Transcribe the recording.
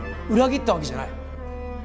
裏切ったわけじゃない。